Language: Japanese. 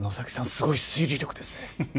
すごい推理力ですね